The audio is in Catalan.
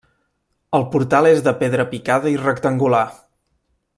El portal és de pedra picada i rectangular.